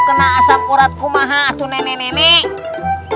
mau kena asam urat ku maha atu nenek nenek